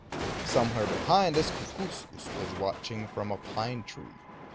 Somewhere behind us, Kookooskoos was watching from a pine tree.